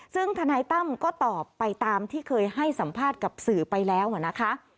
ซึ่งทนายตั้มก็ตอบไปตามที่เคยให้สัมภาษณ์กับสื่อไปแล้วนะคะ